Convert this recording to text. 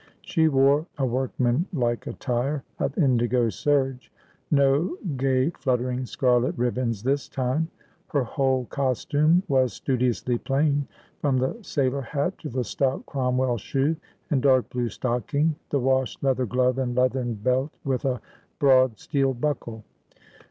She wore a workman like attire of indigo serge — no gay fluttering scarlet ribbons this time. Her whole costume was studiously plain, from the sailor hat to the stout Cromwell shoe and dark blue stocking, the wash leather glove and leathern belt with a broad steel buckle.